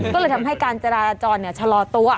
ก็เลยทำให้การจราจรชะลอตัว